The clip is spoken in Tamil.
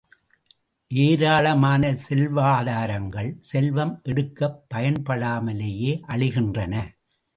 ஏராளமான செல்வாதாரங்கள், செல்வம் எடுக்கப் பயன்படாமலேயே அழிகின்றன.